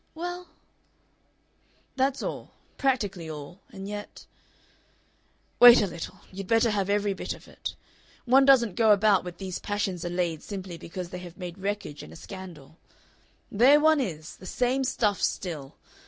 "Well " "That's all. Practically all. And yet Wait a little, you'd better have every bit of it. One doesn't go about with these passions allayed simply because they have made wreckage and a scandal. There one is! The same stuff still!